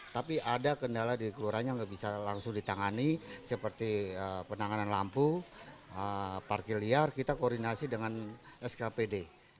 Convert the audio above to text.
tapi ada kendala di kelurahan yang nggak bisa langsung ditangani seperti penanganan lampu parkir liar kita koordinasi dengan skpd